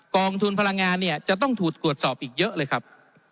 องทุนพลังงานเนี่ยจะต้องถูกตรวจสอบอีกเยอะเลยครับ